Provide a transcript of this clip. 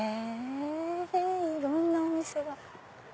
いろんなお店が。